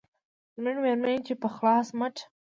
زموږ مېرمنې چې په خلاص مټ